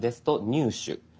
「入手」。